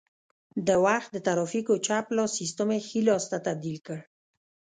د وخت د ترافیکو چپ لاس سیسټم یې ښي لاس ته تبدیل کړ